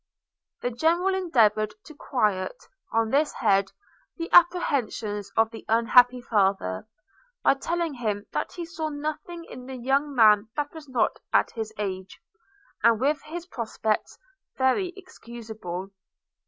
The General endeavoured to quiet, on this head, the apprehensions of the unhappy father, by telling him that he saw nothing in the young man that was not at his age, and with his prospects, very excusable.